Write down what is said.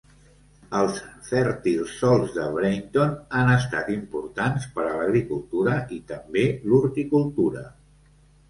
Els fèrtils sòls de Breinton han estat importants per a l'agricultura i també l'horticultura.